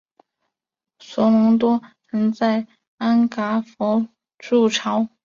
索隆多曾在安戈洛坠姆筑巢。